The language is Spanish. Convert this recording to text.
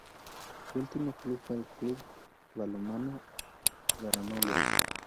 Su último club fue el Club Balonmano Granollers.